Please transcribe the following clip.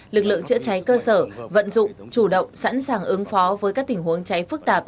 lực lượng chữa cháy cơ sở vận dụng chủ động sẵn sàng ứng phó với các tình huống cháy phức tạp